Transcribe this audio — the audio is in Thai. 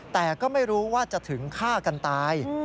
แต่ก็ไม่รู้ว่าจะถึงฆ่ากันตาย